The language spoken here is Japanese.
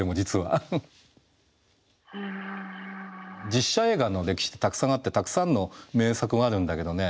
実写映画の歴史ってたくさんあってたくさんの名作があるんだけどね